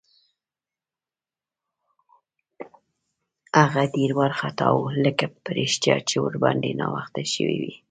هغه ډېر وارخطا و، لکه په رښتیا چې ورباندې ناوخته شوی وي.